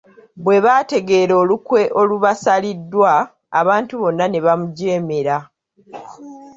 Bwe baategeera olukwe olubasaliddwa, abantu bonna ne bamujeemera.